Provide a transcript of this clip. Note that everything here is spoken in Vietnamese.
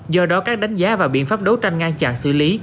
do đó các đánh giá và biện pháp đấu tranh ngăn chặn xử lý